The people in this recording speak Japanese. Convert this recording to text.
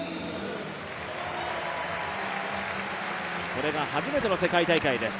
これが初めての世界大会です。